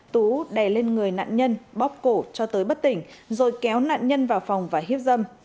tú đè lên người nạn nhân bóc cổ cho tới bất tỉnh rồi kéo nạn nhân vào phòng và hiếp dâm